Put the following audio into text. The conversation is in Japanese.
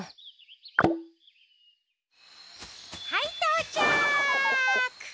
はいとうちゃく！